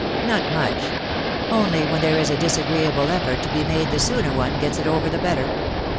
''" Not much — only when there is a disagreeable effort to be made the sooner one gets it over the better."